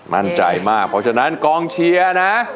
มั่นใจมากเพราะฉะนั้นกองเชียร์นะ